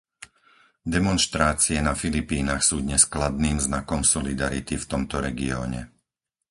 Demonštrácie na Filipínach sú dnes kladným znakom solidarity v tomto regióne.